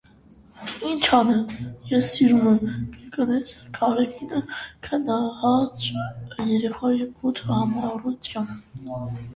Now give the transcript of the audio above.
- Ինչ անեմ, ես սիրում եմ,- կրկնեց Գարեգինը քմահաճ երեխայի բութ համառությամբ: